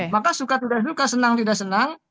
maka suka tidak suka senang tidak senang